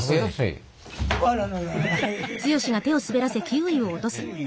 あららら。